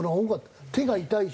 手が痛いし。